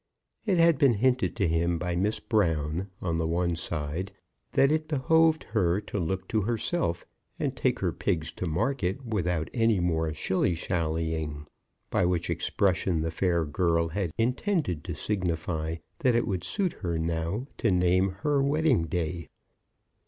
It had been hinted to him by Miss Brown, on the one side, that it behoved her to look to herself, and take her pigs to market without any more shilly shallying, by which expression the fair girl had intended to signify that it would suit her now to name her wedding day.